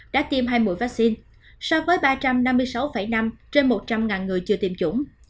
đã tiêm hai mũi vaccine so với ba trăm năm mươi sáu năm trên một trăm linh người chưa tiêm chủng